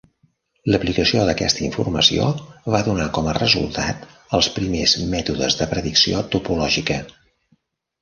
L'aplicació d'aquesta informació va donar com a resultat els primers mètodes de predicció topològica.